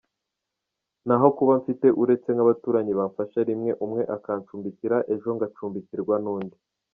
Ntaho kuba mfite uretse nk’abaturanyi bamfasha rimwe umwe akancumbikira ejo ngacumbikirwa n’undi.